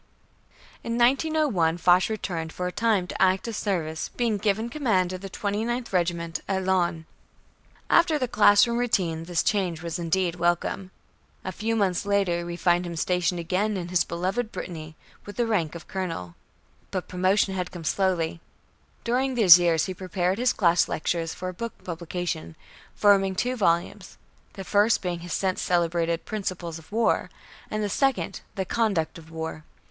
In 1901, Foch returned for a time to active service, being given command of the 29th Regiment at Laon. After the classroom routine, the change was indeed welcome. A few months later we find him stationed again in his beloved Brittany, with the rank of Colonel. But promotion had come slowly. During these years he prepared his class lectures for book publication, forming two volumes, the first being his since celebrated "Principles of War," and the second "The Conduct of War."